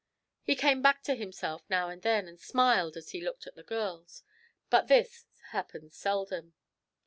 He came back to himself now and then, and smiled as he looked at the girls, but this happened seldom.